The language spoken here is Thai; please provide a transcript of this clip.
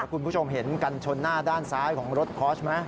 คุณผู้ชมเห็นกันชนหน้าด้านซ้ายของรถคอร์สไหม